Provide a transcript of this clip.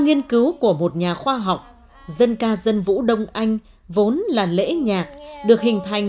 nhạc cụ sử dụng trong dân ca dân vũ đông anh khá đơn giản